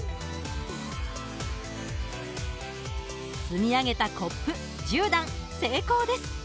積み上げたコップ１０段成功です。